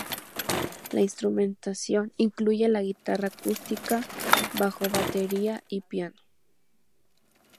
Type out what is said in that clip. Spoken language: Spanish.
La instrumentación incluye la guitarra acústica, bajo, batería y piano.